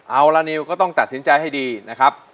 เอาละนิวก็ต้องตัดสินใจให้ดีนะครับ